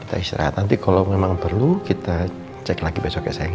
kita istirahat nanti kalau memang perlu kita cek lagi besok ya sayang